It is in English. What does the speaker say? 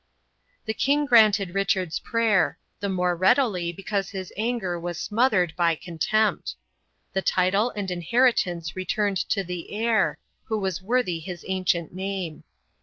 The king granted Richard's prayer, the more readily because his anger was smothered by contempt. The title and inheritance returned to the heir, who was worthy his ancient name.